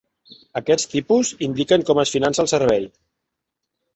Aquests tipus indiquen com es finança el servei.